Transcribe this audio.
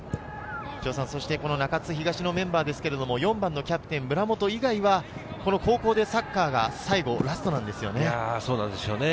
中津東のメンバーですけど、４番のキャプテン・村本以外は高校でサッカーが最後ラストなんですよね。